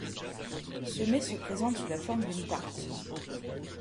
Ce mets se présente sous la forme d’une tarte.